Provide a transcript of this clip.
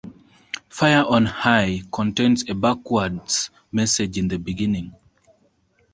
"Fire on High" contains a backwards message in the beginning.